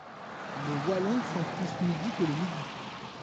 Les Wallons sont plus midi que le midi.